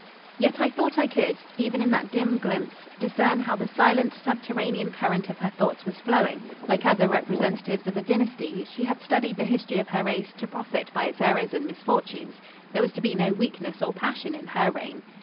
Yet I thought I could, even in that dim glimpse, discern how the silent subterranean current of her thoughts was flowing; like other representatives of a dynasty, she had studied the history of her race to profit by its errors and misfortunes. There was to be no weakness or passion in her reign.